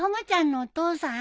お父さん。